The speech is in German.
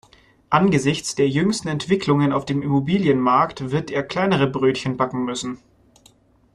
Angesichts der jüngsten Entwicklungen auf dem Immobilienmarkt wird er kleinere Brötchen backen müssen.